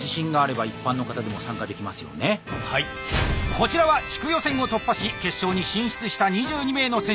こちらは地区予選を突破し決勝に進出した２２名の選手。